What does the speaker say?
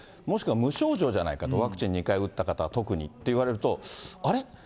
もしくは無症状じゃないかと、ワクチン２回打った方は特にっていわれると、あれ？